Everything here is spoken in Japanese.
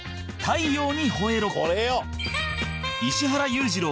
石原裕次郎